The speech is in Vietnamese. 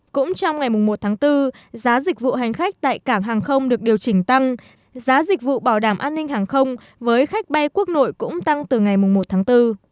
cũng trong ngày một tháng bốn giá dịch vụ hành khách tại cảng hàng không được điều chỉnh tăng giá dịch vụ bảo đảm an ninh hàng không với khách bay quốc nội cũng tăng từ ngày một tháng bốn